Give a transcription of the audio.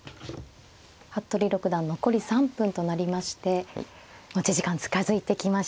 服部六段残り３分となりまして持ち時間近づいてきました。